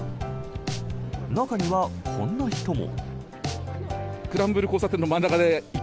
中にはこんな人も。